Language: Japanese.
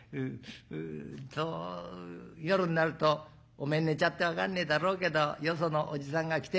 そう夜んなるとおめえ寝ちゃって分かんねえだろうけどよそのおじさんが来て」。